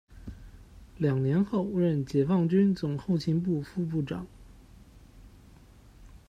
两年后任解放军总后勤部副部长。